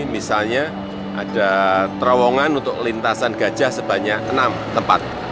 misalnya ada terowongan untuk lintasan gajah sebanyak enam tempat